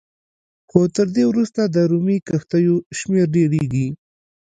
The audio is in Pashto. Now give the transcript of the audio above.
خو تر دې وروسته د رومي کښتیو شمېر ډېرېږي